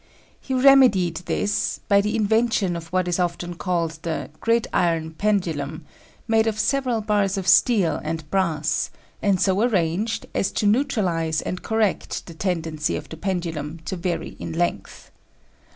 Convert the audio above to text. He remedied this by the invention of what is often called the gridiron pendulum, made of several bars of steel and brass, and so arranged as to neutralize and correct the tendency of the pendulum to vary in length.